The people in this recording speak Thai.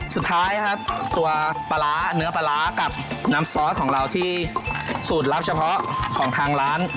สุดท้ายครับตัวปลาร้าเนื้อปลาร้ากับน้ำซอสของเราที่สูตรลับเฉพาะของทางร้าน